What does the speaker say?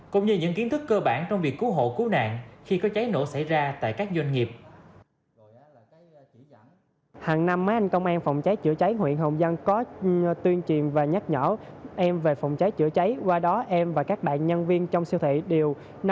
cũng như những kiến thức cơ bản trong việc cứu hộ cứu nạn khi có cháy nổ xảy ra tại các doanh nghiệp